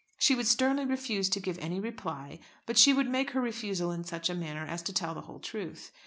She would sternly refuse to give any reply; but she would make her refusal in such a manner as to tell the whole truth.